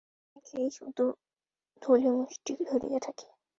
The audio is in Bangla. আমরা অনেকেই শুধু ধূলিমুষ্টি ধরিয়া থাকি।